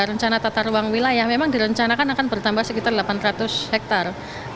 rencana tata ruang wilayah memang direncanakan akan bertambah sekitar delapan ratus hektare